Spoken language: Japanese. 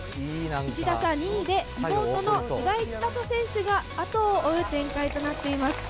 １打差、２位で妹の岩井千怜選手が後を追う展開となっています。